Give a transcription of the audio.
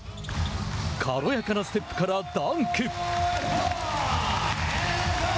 軽やかなステップからダンク。